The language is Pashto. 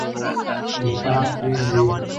نفاق پریږدئ.